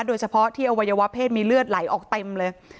โดยเฉพาะที่อวัยวะเพศมีเลือดไหลออกเต็มเลย